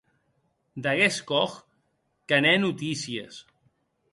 D’aguest Koch que n’è notícies.